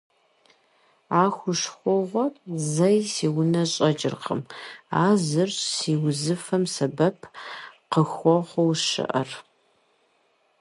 А хущхъуэгъуэр зэи си унэ щӀэкӀыркъым, а зырщ си узыфэм сэбэп къыхуэхъуу щыӀэр.